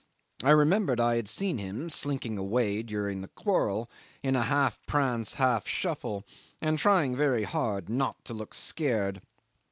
I remembered I had seen him slinking away during the quarrel, in a half prance, half shuffle, and trying very hard not to look scared.